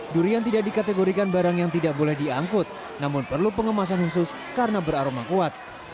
durian tidak dikategorikan barang yang tidak boleh diangkut namun perlu pengemasan khusus karena beraroma kuat